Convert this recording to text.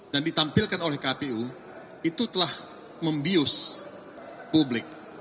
dan ditampilkan oleh kpu itu telah membius publik